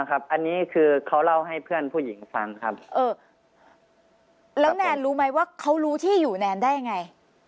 อันนี้คือเขาเล่าให้เพื่อนผู้หญิงฟังครับแล้วแนนรู้ไหมว่าเขารู้ที่อยู่แนนได้ยังไง